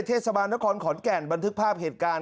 เทศบาลนครขอนแก่นบันทึกภาพเหตุการณ์